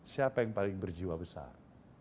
siapa yang paling berjiwa besar